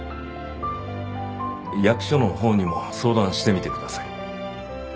役所のほうにも相談してみてください。